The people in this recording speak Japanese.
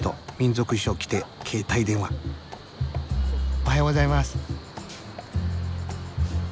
おはようございます。